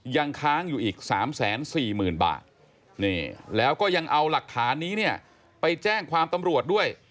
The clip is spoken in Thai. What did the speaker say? ยังค้างอยู่อีก๓๔๐๐๐บาทแล้วก็ยังเอาหลักฐานนี้เนี่ยไปแจ้งความตำรวจด้วย